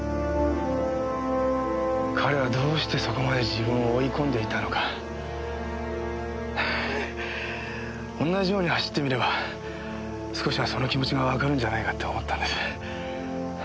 彼はどうしてそこまで自分を追い込んでいたのか同じように走ってみれば少しはその気持ちがわかるんじゃないかって思ったんです。